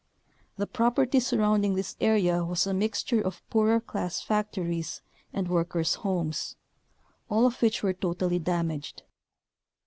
The property sur rounding this area was a mixture of poorer class factories and workers' homes, all of which were totally damaged.